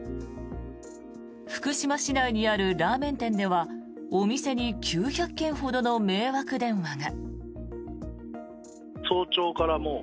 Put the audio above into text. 福島市内にあるラーメン店ではお店に９００件ほどの迷惑電話が。